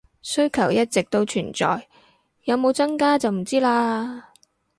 需求一直都存在，有冇增加就唔知喇